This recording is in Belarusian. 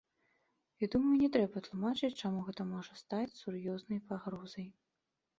І думаю, не трэба тлумачыць, чаму гэта можа стаць сур'ёзнай пагрозай.